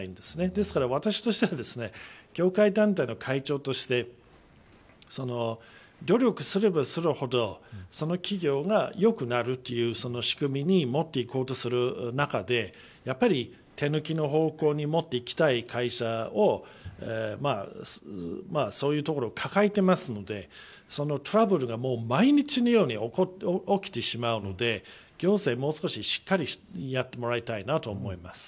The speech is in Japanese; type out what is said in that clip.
ですから、私としては業界団体の会長として努力すればするほどその企業が良くなるという仕組みにもっていこうとする中でやっぱり手抜きの方向にもっていきたい会社はそういうところを抱えていますのでそのトラブルが毎日のように起きてしまうので行政に、もう少ししっかりやってもらいたいと思います。